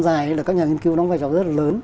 dài hay là các nhà nghiên cứu đóng vai trò rất là lớn